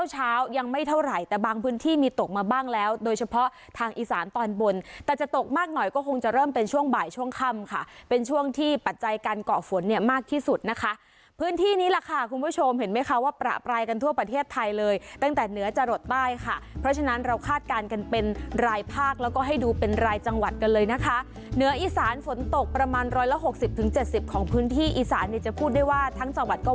หลายช่วงค่ำค่ะเป็นช่วงที่ปัจจัยการเกาะฝนเนี่ยมากที่สุดนะคะพื้นที่นี้ล่ะค่ะคุณผู้ชมเห็นไหมคะว่าประปรายกันทั่วประเทศไทยเลยตั้งแต่เหนือจรดใต้ค่ะเพราะฉะนั้นเราคาดการณ์กันเป็นรายภาคแล้วก็ให้ดูเป็นรายจังหวัดกันเลยนะคะเหนืออีสานฝนตกประมาณร้อยละหกสิบถึงเจ็ดสิบของพื้นที่อีสาน